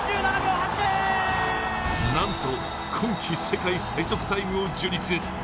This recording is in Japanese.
なんと今季世界最速タイムを樹立。